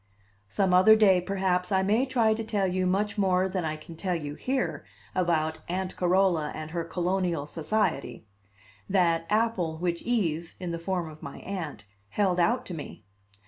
Some other day, perhaps, I may try to tell you much more than I can tell you here about Aunt Carola and her Colonial Society that apple which Eve, in the form of my Aunt, held out to me.